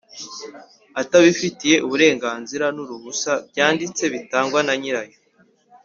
Atabifitiye uburenganzira n’uruhusa byanditse bitangwa na nyirayo